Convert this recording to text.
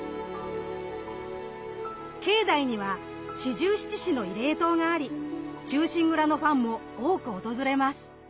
境内には四十七士の慰霊塔があり忠臣蔵のファンも多く訪れます。